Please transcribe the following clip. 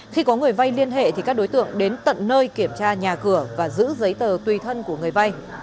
khi có người vay liên hệ thì các đối tượng đến tận nơi kiểm tra nhà cửa và giữ giấy tờ tùy thân của người vay